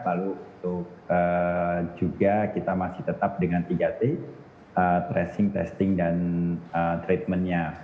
lalu untuk juga kita masih tetap dengan tiga t tracing testing dan treatmentnya